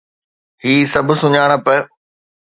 هي سڀ سڃاڻپ